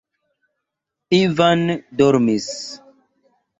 Ivan dormis.